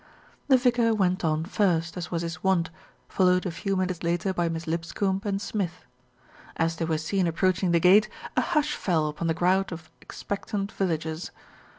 The vicar went on first, as was his wont, followed a few minutes later by Miss Lipscombe and Smith. As they were seen approaching the gate, a hush fell upon the crowd of expectant villagers.